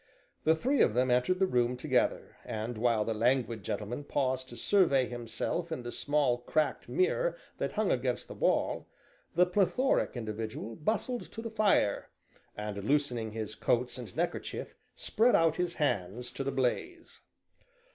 The three of them entered the room together, and, while the languid gentleman paused to survey himself in the small, cracked mirror that hung against the wall, the plethoric individual bustled to the fire, and, loosening his coats and neckerchief, spread out his hands to the blaze.